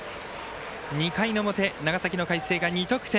２回の表、長崎の海星が２得点。